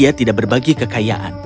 jika dia tidak berbagi kekayaan